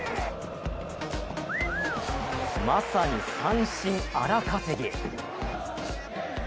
まさに三振荒稼ぎ。